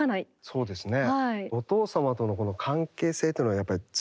そうですよね。